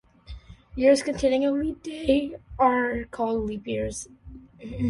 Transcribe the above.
Years containing a leap day are called leap years.